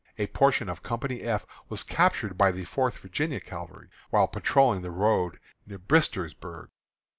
A portion of Company F was captured by the Fourth Virginia Cavalry, while patrolling the road near Bristersburg.